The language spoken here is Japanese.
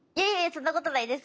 そんなことないです。